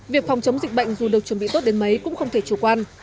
việc phòng chống dịch bệnh dù được chuẩn bị tốt đến mấy cũng không thể chủ quan